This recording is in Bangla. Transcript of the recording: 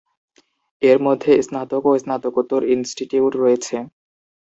এর মধ্যে স্নাতক ও স্নাতকোত্তর ইনস্টিটিউট রয়েছে।